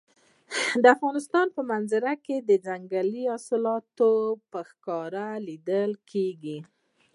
د افغانستان په منظره کې ځنګلي حاصلات په ښکاره لیدل کېږي.